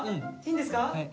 いいんですか？